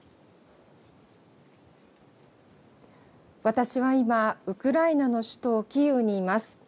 私は今、ウクライナの首都キーウにいます。